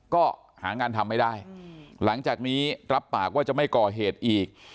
ก็หางานทำไม่ได้หลังจากนี้รับปากว่าจะไม่ก่อเหตุอีก